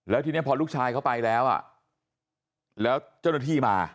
แล้วเจ้าหน้าที่มา